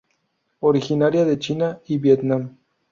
Originaria de China y Vietnam.